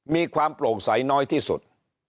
มีความโปร่งใสน้อยที่สุด